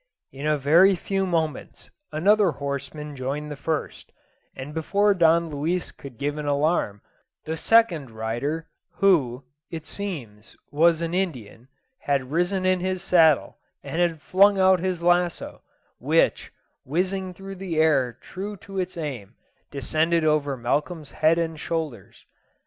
In a very few moments another horseman joined the first, and before Don Luis could give an alarm, the second rider, who, it seems, was an Indian, had risen in his saddle and had flung out his lasso, which, whizzing through the air true to its aim, descended over Malcolm's head and shoulders.